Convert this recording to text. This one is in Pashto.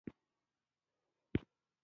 احمدشاه بابا د خپل ملت د ویاړونو قدر کاوه.